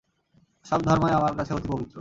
সব ধর্মই আমার কাছে অতি পবিত্র।